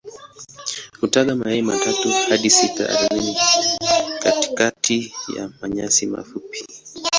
Hutaga mayai matatu hadi sita ardhini katikati ya manyasi mafupi.